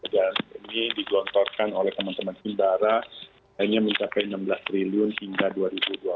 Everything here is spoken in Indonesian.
dan ini digontorkan oleh teman teman pembara hanya mencapai rp enam belas triliun hingga dua ribu dua puluh empat